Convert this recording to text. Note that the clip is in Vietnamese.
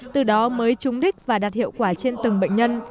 từ đó mới trúng đích và đạt hiệu quả trên từng bệnh nhân